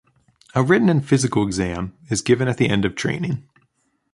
A written and physical exam is given at the end of training.